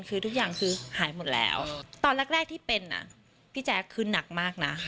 คือทุกอย่างคือหายหมดแล้วตอนแรกที่เป็นอ่ะพี่แจ๊คคือนักมากนะ